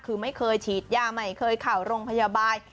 คือไม่เคยฉีดยาไม่เคยเข้าโรงพยาบาล